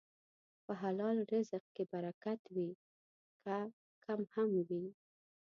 په حلال رزق کې برکت وي، که کم هم وي.